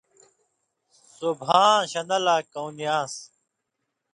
سو بھاں شن٘دہ لا کؤں نی آن٘س۔